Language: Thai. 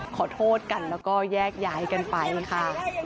ขอโทษกันแล้วก็แยกย้ายกันไปค่ะ